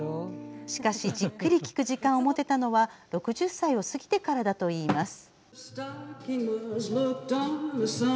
しかし、じっくり聴く時間を持てたのは６０歳を過ぎてからだといいます。